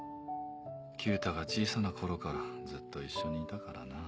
九太が小さな頃からずっと一緒にいたからな。